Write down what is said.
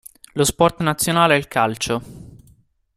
Lo sport nazionale è il calcio.